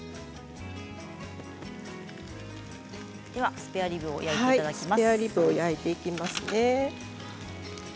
スペアリブを焼いていただきます。